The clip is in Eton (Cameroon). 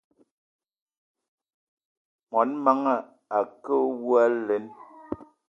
Mon manga a ke awou alen!